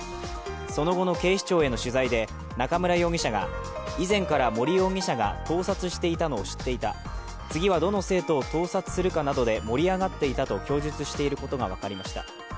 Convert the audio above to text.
その後の警視庁への取材で中村容疑者が以前から森容疑者が盗撮していたのを知っていた、次はどの生徒を盗撮するかなどで盛り上がっていたと供述していることが分かりました。